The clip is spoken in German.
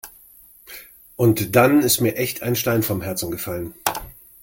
Und dann ist mir echt ein Stein vom Herzen gefallen.